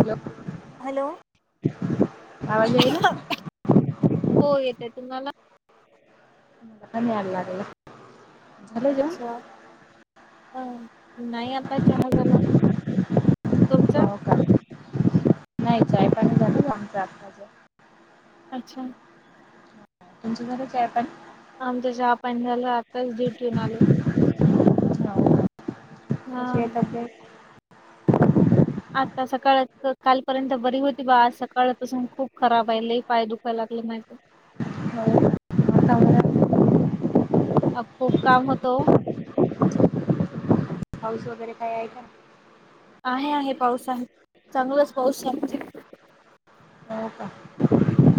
[unintelligible] Hello. [unintelligible] हो येतंय तुम्हाला? मला काय नय आलां बाई. अच्छा. ह नाही आता चहा झाला तुमचं? हो नाही चाय पाणी झालं ना आमच आत्ताच अच्छा! तुमचं, झालं चाय पाणी. आमच चहापाणी झालं आत्ताच डुटीऊन आलो. [unintelligible] [inaudible] कशी आलो हा आहे तब्येत आता सकाळ कालपर्यंत बरी होती बा आज सकाळपासून खूप खराब आहे. लई पाय दुखाय लागलं माझं. हो [unintelligible] [inaudible] [inaudible] [unintelligible] हम् अ खूप काम होत ओ [inaudible] पाऊस वगैरे काय आहे का? आहे, आहे, पाऊस आहे. चांगलाच पाऊस आहे. हो का.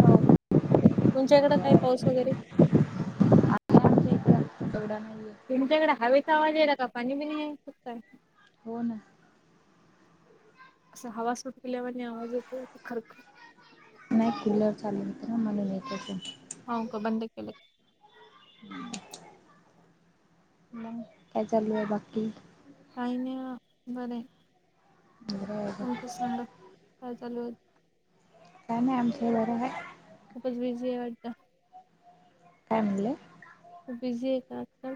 हो तुमच्या इकड काय बरं पाऊस आहे वगैरे, एवढा नाहीय. तुमच्याकडे हवेचा आवाज यायला का पाणी बिनी [inaudible] हे सुत हो ना. असं हवा [inaudible] सुटल्यावर आवाज येत खरख नाही कुलर चालू होती ना म्हणून येत असेल. हो का बंद केले. मग काय चालू आहे बाकी. काही नाही बरं आहे. बरं आहे तुमचं बरं सांगा काय चालू आहे. काही नाही आमच् बर हाय. खूपच बिझी आहे वाटतं. काय म्हणले. खूप बिझी [inaudible] येतात.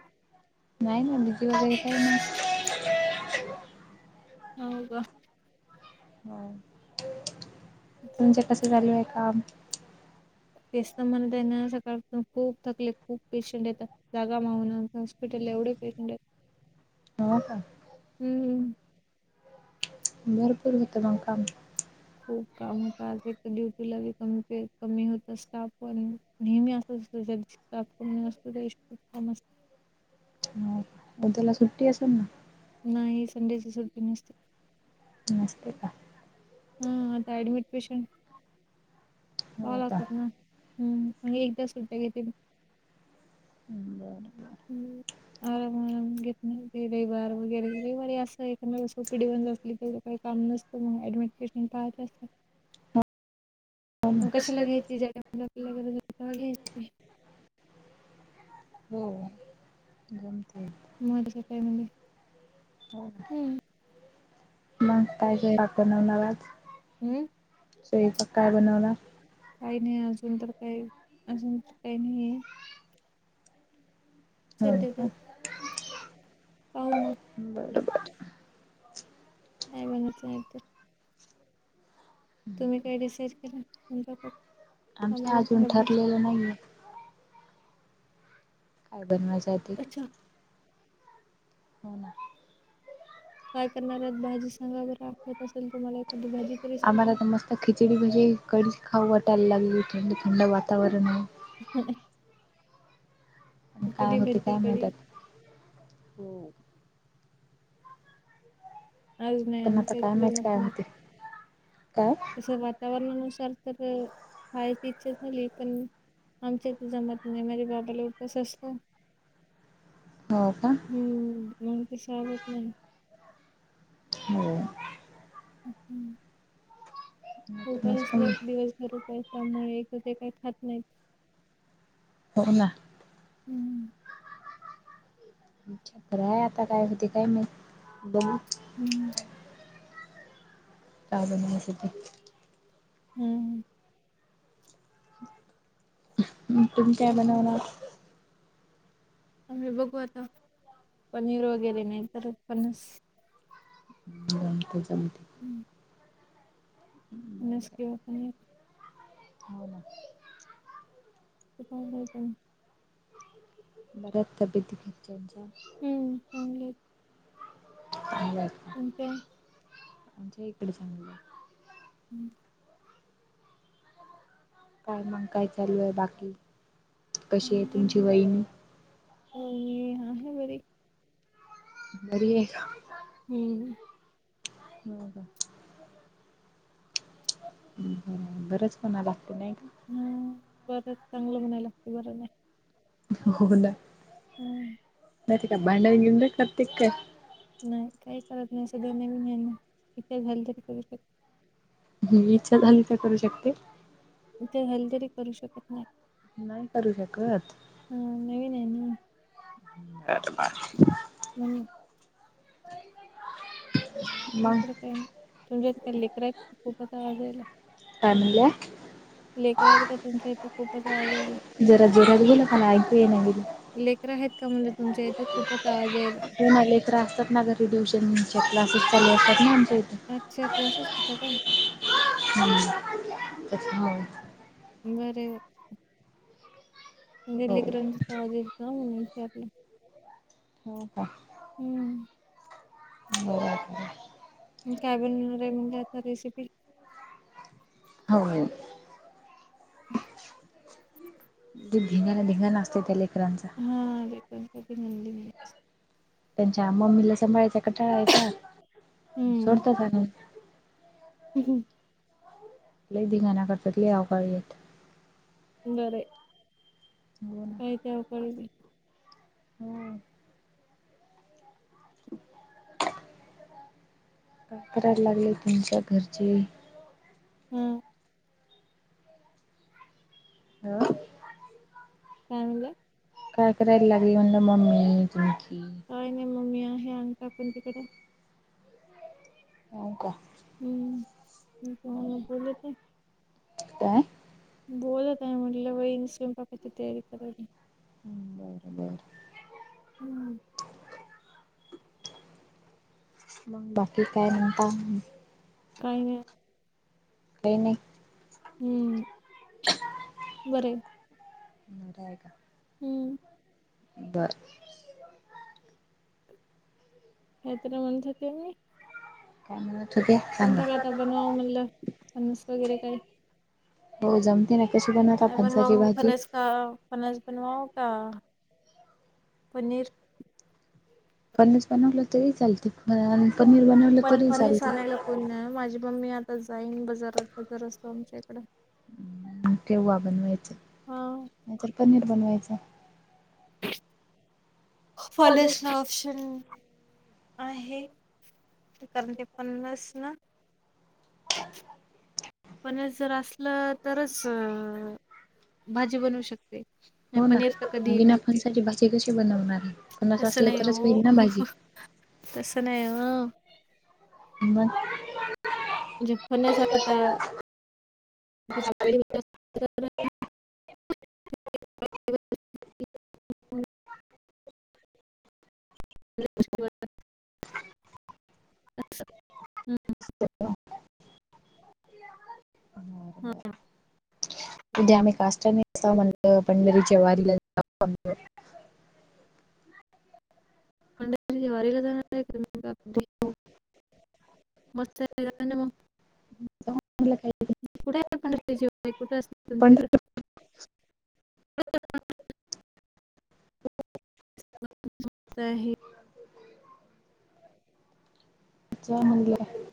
नाही ना भीती वगैरे काही नाही. [unintelligible] [inaudible] हो का ह, तुमच कस झाले आहे काम? तेच म्हणत ना सकाळ [inaudible] खूप थकले, खूप पेशंट येतात. जागा माऊून हॉस्पिटल एवढे पेशंट आहे. हो का? हम्म.. भरपूर होतं ना काम. खूप काम होत आज तर ड्युटीला कमी प कमी होत स्टाफ पण नेहमी अस. [inaudible] असतो देश खूप कम असत [unintelligible] हो, पण त्याला सुट्टी असेल ना? नाही, संडेच सुट्टी नसते. नस्ते का? हा आता ऍडमिट पेशंट हो हॉल का? असतात ना ह.. मी एकदा सुट्ट्या घेततील. ह् बरं, बर, हम्म आराम आराम घेत नाही. रविवार वगैरे रविवारी असं एकमेव ओपीडी बंद असले की काम नसतं मग [inaudible] डमिट पेशंट पाहत हो ना [unintelligible] कशला घ्यायची जादा. आपल्याला गरज असते तवा घ्यायची. हो.. जमते [inaudible] येत. म [unintelligible] का म्हणली मग काय का [unintelligible] [inaudible] नव नवाज हम्म.. [unintelligible] स्वयंपाक काय बनवला? काही नाही अजून तर काही, अजून तर काही नाही आहे. होय का, पाहू मग बरं, बरं [inaudible] काय बनवायचं आहे तर? तुम्ही काही डिसाईज केल? [unintelligible] तुम आम्हाला सांगा भाजी नाही. काय बनवायच आहे ते पप्पाच्या हो ना, काय करणार आहेत भाजी सांगा बर आवडत असेल तुम्हाला एखदी भाजी तरी आम्हाला तर मस्त खिचडी, भजी, कणीस, खाऊ वाटायला लागेल थंड -थंड वातावरण आहे. पण कुठे काय होते भेटते ती काय माहित कडी? आता. हो.. आज नाही आम पण आता काय माहित काय होतंय? काय तसं वातावरणानुसार तर खायची इच्छा झाली. पण आमच्या इथे जमत नाही. माझ्या बाबाला उपवास असतो. हो का? हम्म.. मग सहण होत नाही. हो.. हम्.. उपवास मस्त असला की दिवस भर काही काम नाही, एकतर ते काही खात नाहीत. हो ना. हम्.. छत्र हाय आता काय होते काय माहित, बघू हम्म. [unintelligible] हम् ह. तुम्ही काय बनवणार? आम्ही बघू आता, पनीर वगैरे नाही तर फणस तझ म [unintelligible] हं [unintelligible] फणस किंवा पनीर हो ना. असकम [unintelligible] बऱ्या आहेत तब्येती घरच्यांच्या? हम्म, चांगलेत. चांगल्यात. आणखीन? आमच्या इकडे सांगोला. हं. काय मग काय चालू आहे बाकी, कशी आहे तुमची वहिणी? वहिनी, आहे बरी. बरी आहे का? हम्म. हो का बरंच म्हणा लागतय नाही का? हम्मं, बरंच चांगलं म्हणाय लागतं बरं ना. हो ना हम्म म ती काय भांडण -बिंडान करते की काय? नाही काही करत नाही, असं देणी नाही ना. इथे झाल करू शकत ह, इच्छा झाली तर करू शकते. इच्छा झाली तरी करू शकत नाय नाही करू शकत? हा नवीन हाय नी [unintelligible] हम् [unintelligible] मग दुसरं काय नाही, तुमच्या इकडं काही लेकर आहेत, खूपच आवाज यायला. काय म्हणल्या? लेकर आहेत का तुमच्या इथं खूपच आवाज जरा जोरात बोला, मला ऐकू येईना घरी लेकर आहेत का म्हटल, तुमच्या इथ खूपचं आवाज यायला. होना लेकरं असतात ना घरी, ट्युशनच्या क्लासेस चालू असतात ना आमच्या इथ. अच्छा क्लासेस घेता का? हम्म [unintelligible] [unintelligible] लई हो हो लेकरांचा आवाज येतो ना, म्हणून विचारल. हो का हम्म बरोबरच आहे. काय बनिवणार हाय मग आता रेसिपी? होय त्यो धिंगाणा- धिंगाणा असतय त्या लेकरांचा. हा, लेकरांनसाठी म्हणले मी त्यांच्या मम्मीला सभांळायचा कटाळा आहे का? मग सोडता नाही हं म्म लय धिंगाणा करत्यात, लय अवकाळी आहेत. बरंय हो ना ते अवकाळी हेत हो काय कराय लागले तुमच्या घरची? हम्मं हो काय म्हणला? काय करायला लागल ना मम्मी तुमची? काय नाही मम्मी हाय हे काकूच्या तिकड हो का हम्मं मी तुम्हाला बोले ते. काय? बोलत [inaudible] आहे म्हटलं बाई स्वयंपाकच्या तिथं. [inaudible] हम्म बरं, बरं. हम्म. मग बाकी काय म्हणता? काय नाही. काय नाही. हम्म. बरं [inaudible] [inaudible] नीट हाय का? हम्म. बरं. काय तरी म्हणत होती [inaudible] ना? काय म्हणत होती सांगा? आता बनवावं म्हणलं फणस वगैरे काही. हो जमते ना, कशी बनवता फणसाची भाजी? अं फणस बनवाव का पनीर? [inaudible] फणस बनवलं तरी चालते आम्ही पनीर बनवल. पण फणीस आणायला कोणी नाही, माझी मम्मी आता जाईन बजारात बजार असतो आमच्या इकड. मग केव्हा बनवायचं? हा. नाहीतर पनीर बनवायचं. फणीसला ऑप्शन आहे, तर कारण ते फणसना [inaudible] फणस जर असलं तरचं भाजी बनवू शकते, आणि हो ना पनीर तर कधीही बिना भेटते. फणसाची भाजी कशी बनवणार आहे फणस तसं असलं नाही तरच होईल वो, ना भाजी तसं नाही वो. मग. म्हणजे फणस आता [unintelligible] [inaudible] [unintelligible] [inaudible] तसं हम्म [unintelligible] [inaudible] हा [unintelligible] [inaudible] उद्या आम्ही काष्टा नेसाव म्हणलं पंढरीच्या वारीला [unintelligible] पंढरीच्या वारीला जाणार आहे [inaudible] का पंढरपुरला? मस्त पैकी घालना मग. [unintelligible] [inaudible] कुठंय पंढरीची वारी कुठं असते [unintelligible] [inaudible] तुमच्या हित? [unintelligible] आहे [inaudible] [unintelligible] [inaudible] चिवा म्हणलेला हाय.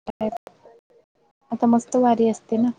[unintelligible] [inaudible] आता मस्त वारी असते ना?